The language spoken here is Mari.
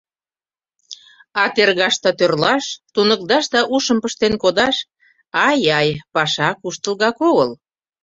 А тергаш да тӧрлаш, туныкташ да ушым пыштен кодаш, ай-ай, паша куштылгак огыл.